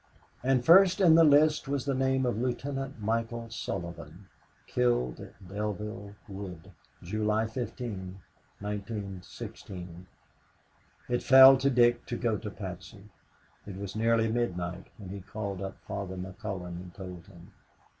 And first in the list was the name of Lieut. Michael Sullivan, killed at Delville Wood, July 15, 1916. It fell to Dick to go to Patsy. It was nearly midnight when he called up Father McCullon and told him.